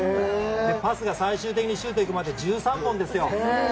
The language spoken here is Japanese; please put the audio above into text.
パスが最終的にシュートに行くまで１３本ですよ。